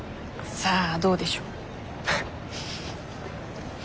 さあどうでしょう。